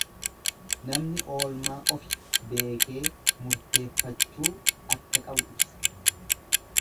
Namni oolmaa ofi beekee murteeffachuu akka qabu ibsa.